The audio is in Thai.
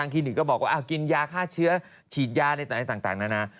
คลินิกก็บอกว่ากินยาฆ่าเชื้อฉีดยาอะไรต่างนานา